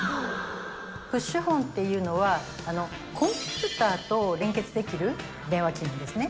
プッシュホンっていうのは、コンピューターと連結できる電話機なんですね。